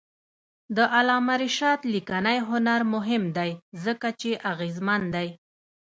د علامه رشاد لیکنی هنر مهم دی ځکه چې اغېزمن دی.